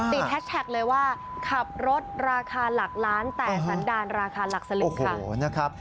ติดแทชแท็กเลยว่าคับรถราคาหลักล้านแต่สันดารราคาหลักสรุปค่ะ